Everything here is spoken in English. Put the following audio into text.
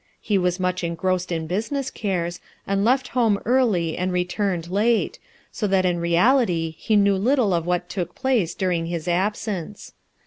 He was much engrossed in business cares, and left home early and returned late, so that in reality he knew little of what took place during his absence.